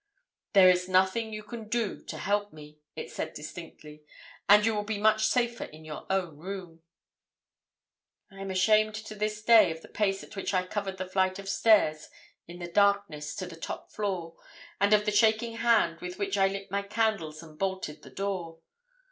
"'There is nothing you can do to help me,' it said distinctly, 'and you will be much safer in your own room.' "I am ashamed to this day of the pace at which I covered the flight of stairs in the darkness to the top floor, and of the shaking hand with which I lit my candles and bolted the door.